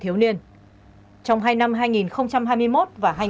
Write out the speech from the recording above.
lửa tổ n yên cho biết ở hành vi th greater dead